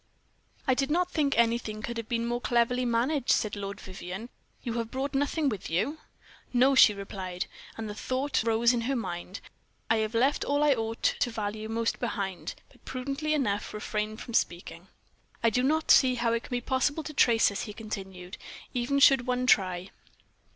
"I do not think anything could have been more cleverly managed," said Lord Vivianne. "You have brought nothing with you?" "No," she replied; and the thought rose in her mind, "I have left all I ought to value most behind;" but prudently enough refrained from speaking. "I do not see how it can be possible to trace us," he continued, "even should any one try."